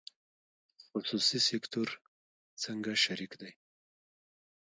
خصوصي سکتور څنګه شریک دی؟